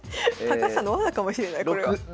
高橋さんの罠かもしれないこれは。